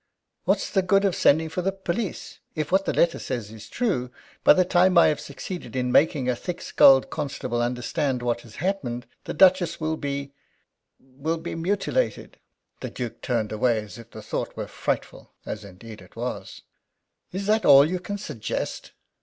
What's the good of sending for the police? If what that letter says is true, by the time I have succeeded in making a thick skulled constable understand what has happened the Duchess will be will be mutilated!" The Duke turned away as if the thought were frightful as, indeed, it was. "Is that all you can suggest?"